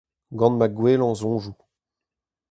Gant ma gwellañ soñjoù.